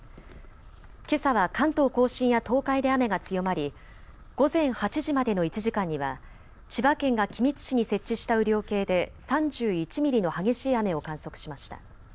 けさは関東甲信や東海で雨が強まり、午前８時までの１時間には千葉県が君津市に設置した雨量計で３１ミリの激しい雨を観測しました。